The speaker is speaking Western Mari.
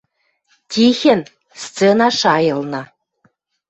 Тихӹн сцена шайылны.